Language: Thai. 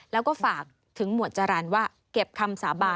แล้วก็ฝากถึงหมวดจรรย์ว่าเก็บคำสาบาน